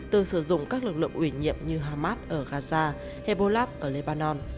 từng sử dụng các lực lượng ủy nhiệm như hamas ở gaza hebolab ở lebanon